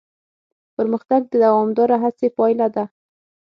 پرمختګ د دوامداره هڅې پایله ده.